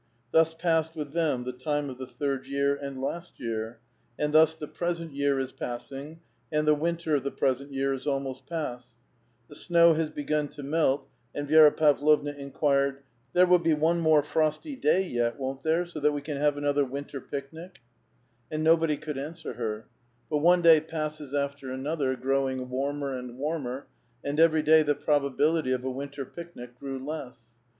Thus passed with them the time of the third year and last year ; and thus the present year is passing, and the winter of the present year is almost passed ; the snow has begim to melt, and Vi^ra Pavlovna inquired, *' There will be one more frosty day yet, won't there, so that we c«Ji\va\^ ^Avolhar winter picnic?" A VITAL QUESTION. 449 And nobody could answer her ; but one day passes after another, growing warmer and warmer, and every day the probability of a winter picnic grew less.